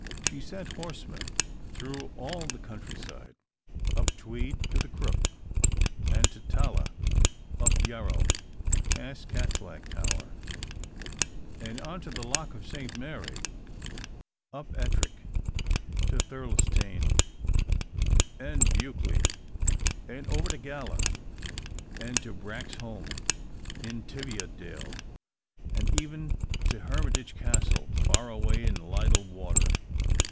She sent horsemen through all the country side: up Tweed to the Crook, and to Talla; up Yarrow, past Catslack Tower, and on to the Loch of Saint Mary; up Ettrick to Thirlestane and Buccleugh, and over to Gala, and to Branxholme in Teviotdale; and even to Hermitage Castle, far away by Liddel water.